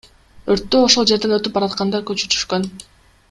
Өрттү ошол жерден өтүп бараткандар өчүрүшкөн.